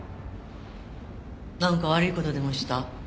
なんか悪い事でもした？